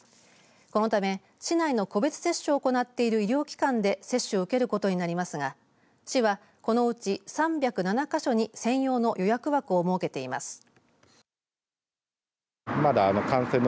このため市内の個別接種を行っている医療機関で接種を受けることになりますが市は、このうち３０７か所に専用の予約枠を設けています。